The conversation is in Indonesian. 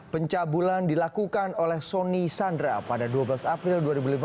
pencabulan dilakukan oleh soni sandra pada dua belas april dua ribu lima belas